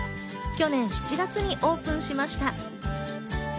去年７月にオープンしました。